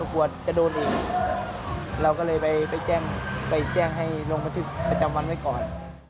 กลัวจะโดนอีกเราก็เลยไปแจ้งให้ลงบันทึกประจำวันไว้ก่อน